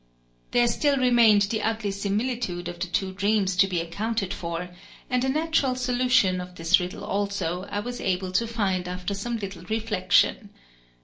There still remained the ugly similitude of the two dreams to be accounted for; and a natural solution of this riddle also, I was able to find after some little reflection.